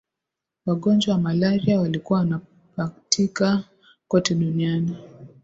wagonjwa wa malaria walikuwa wanapatika kote duniani